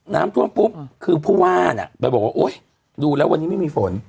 น้ำท่วมปุ๊บคือผู้ว่าน่ะไปบอกว่าโอ๊ยดูแล้ววันนี้ไม่มีฝน